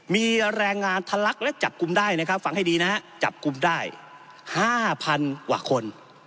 มีแรงงานทะลักและจับกลุ่มได้นะครับฟังให้ดีนะฮะจับกลุ่มได้๕๐๐๐กว่าคน